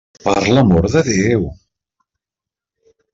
Per l'amor de Déu!